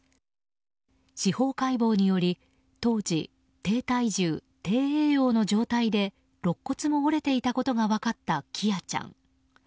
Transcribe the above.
司法解剖により当時、低体重・低栄養の状態で肋骨も折れていたことが分かった喜空ちゃん。